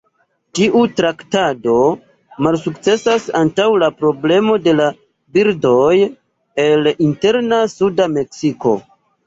Tiu traktado malsukcesas antaŭ la problemo de la birdoj el interna suda Meksiko.